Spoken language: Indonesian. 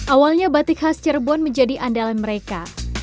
awalnya batik khas cirebon menjadi andalan mereka